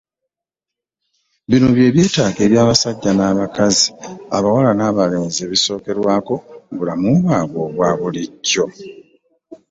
Bino bye byetaago by’abasajja n’abakazi, abawala n’abalenzi ebisookerwako mu bulamu bwabwe obwa bulijjo.